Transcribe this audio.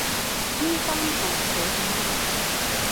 呢三行寫緊乜？